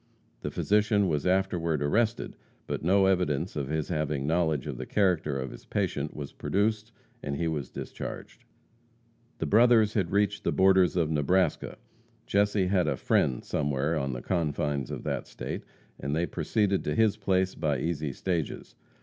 The physician was afterward arrested, but no evidence of his having knowledge of the character of his patient was produced, and he was discharged. The brothers had reached the borders of Nebraska. Jesse had a "friend" somewhere on the confines of that state, and they proceeded to his place by easy stages.